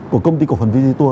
của công ty cổ phần fiditur